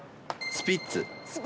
スピッツ！